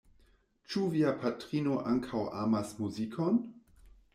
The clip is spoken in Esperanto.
Ĉu via patrino ankaŭ amas muzikon?